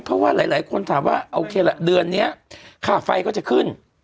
เพราะว่าหลายคนถามว่าโอเคละเดือนนี้ค่าไฟก็จะขึ้น